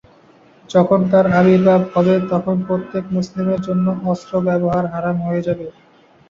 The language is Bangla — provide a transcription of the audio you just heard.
যখন তার আবির্ভাব হবে তখন প্রত্যেক মুসলিমের জন্য অস্ত্র ব্যবহার হারাম হয়ে যাবে।